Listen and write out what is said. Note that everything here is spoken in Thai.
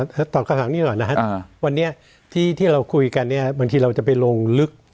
ตอบคำถามนี้หน่อยนะครับวันนี้ที่เราคุยกันเนี่ยบางทีเราจะไปลงลึก